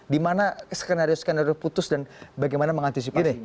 di mana skenario skenario putus dan bagaimana mengantisipasi